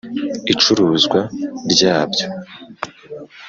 icuruzwa ryabyo.